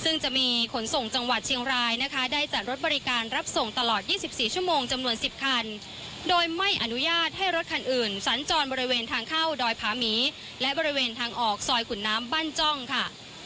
ซึ่งจะมีขนส่งจังหวัดเชียงรายนะคะได้จัดรถบริการรับส่งตลอด๒๔ชั่วโมงจำนวน๑๐คันโดยไม่อนุญาตให้รถคันอื่นสัญจรบริเวณทางเข้าดอยผาหมีและบริเวณทางออกซอยขุนน้ำบ้านจ้องค่ะ